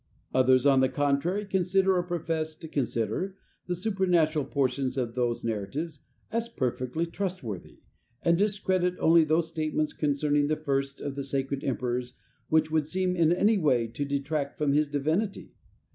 Others, on the contrary, consider, or profess to consider, the supernatural portions of those narratives as perfectly trustworthy, and discredit only those statements concerning the first of the sacred emperors which would seem in any way to detract from his divinity.